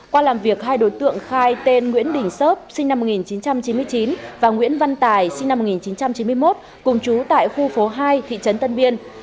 qua làm việc hai đối tượng khai tên nguyễn đình sớp sinh năm một nghìn chín trăm chín mươi chín và nguyễn văn tài sinh năm một nghìn chín trăm chín mươi một cùng chú tại khu phố hai thị trấn tân biên